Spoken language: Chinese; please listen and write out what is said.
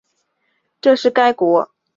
这是该国第十五次参加亚运。